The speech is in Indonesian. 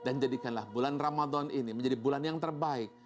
dan jadikanlah bulan ramadan ini menjadi bulan yang terbaik